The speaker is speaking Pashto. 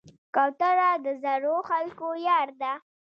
کوتره د زړو خلکو یار ده.